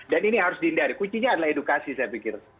dan ini harus dihindari kucinya adalah edukasi saya pikir